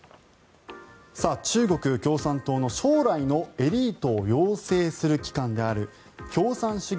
中国共産党の将来のエリートを養成する機関である共産主義